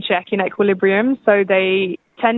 dan mereka juga memiliki peran yang sangat penting